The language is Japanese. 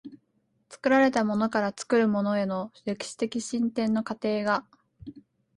作られたものから作るものへとの歴史的進展の過程が、